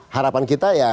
harapan kita ya